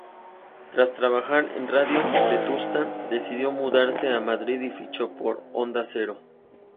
Tras trabajar en Radio Vetusta decidió mudarse a Madrid y fichó por Onda Cero.